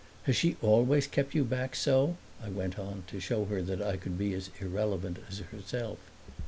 "Has she always kept you back so?" I went on, to show her that I could be as irrelevant as herself.